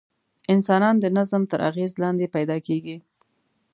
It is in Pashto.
انسانان د نظم تر اغېز لاندې پیدا کېږي.